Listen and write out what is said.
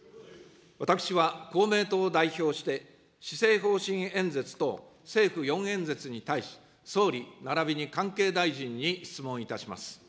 私は公明党を代表して、施政方針演説等政府４演説に対し、総理ならびに関係大臣に質問いたします。